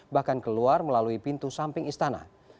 bahkan keluar melalui pintu samping istana